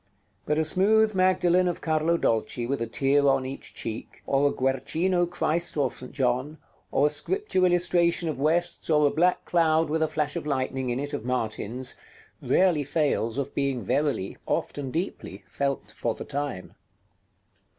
But a smooth Magdalen of Carlo Dolci with a tear on each cheek, or a Guercino Christ or St. John, or a Scripture illustration of West's, or a black cloud with a flash of lightning in it of Martin's, rarely fails of being verily, often deeply, felt for the time.